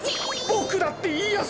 ボクだっていやさ！